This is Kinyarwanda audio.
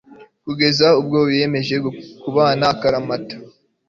kugeza ubwo biyemeje kubana akaramata